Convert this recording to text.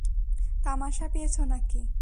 তামাশা পেয়েছ নাকি?